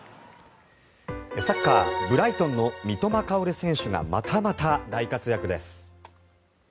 サッカーブライトンの三笘薫選手がまたまた大活躍です。